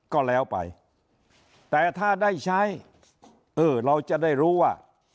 ก็แล้วไปแต่ถ้าได้ใช้เออเราจะได้รู้ว่า